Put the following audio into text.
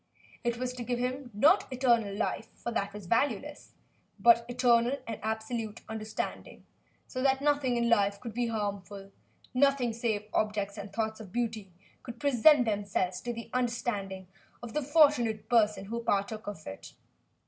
It was to give him, not eternal life for that was valueless but eternal and absolute understanding, so that nothing in life could be harmful, nothing save objects and thoughts of beauty could present themselves to the understanding of the fortunate person who partook of it.